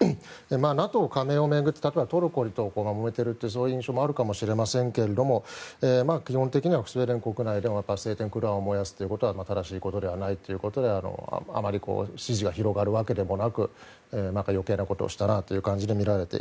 ＮＡＴＯ加盟を巡って例えば、トルコという反対している印象があるかもしれませんけれども基本的にはスウェーデン国内で聖典コーランを燃やすのは正しいことではないということであまり支持が広がるわけでもなくまた余計なことをしたなという感じでみられている。